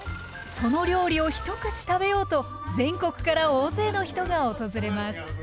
その料理を一口食べようと全国から大勢の人が訪れます。